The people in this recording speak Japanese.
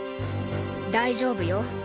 大丈夫よ。